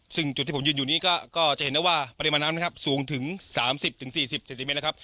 ซึ่งจุดที่ผมยืนอยู่นี้ก็ก็จะเห็นนะว่าปริมาณน้ำนะครับสูงถึงสามสิบถึงสี่สิบเซนติเมตรนะครับ